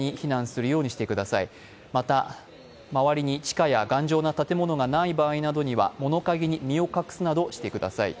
周りに地下や頑丈な建物がない場合には物陰に身を隠すなどしてください。